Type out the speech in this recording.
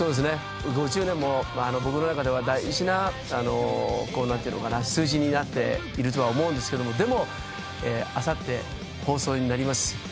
５０年も僕の中では大事な数字になっているとは思うんですけどでもあさって放送になります